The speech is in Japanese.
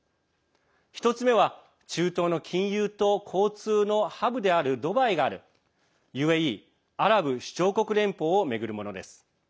１つ目は、中東の金融と交通のハブであるドバイがあるＵＡＥ＝アラブ首長国連邦を巡るものです。